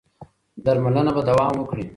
درملنه به دوام وکړي.